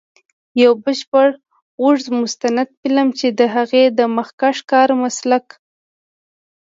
یو بشپړ اوږد مستند فلم، چې د هغې د مخکښ کاري مسلک.